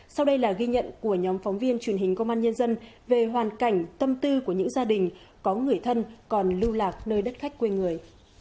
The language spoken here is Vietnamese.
sau đây là ghi nhận của nhóm phóng viên truyền hình công an nhân dân về hoàn cảnh tâm tư của những gia đình có người thân còn lưu lạc nơi đất khách quê người